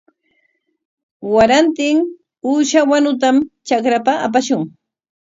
Warantin uusha wanutam trakrapa apashun.